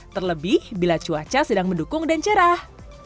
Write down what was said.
terlebih bila cuaca sedang mendukung dan cerah